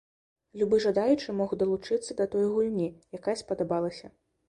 Любы жадаючы мог далучыцца да той гульні, якая спадабалася.